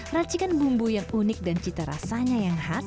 racikan bumbu yang unik dan cita rasanya yang khas